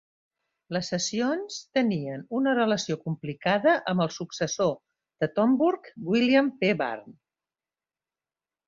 Les sessions tenien una relació complicada amb el successor de Thornburgh, William P. Barr.